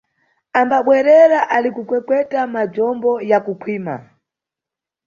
Ambabwerera ali kukwekweta majombo ya kukhwima.